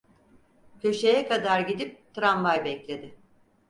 Köşeye kadar gidip tramvay bekledi.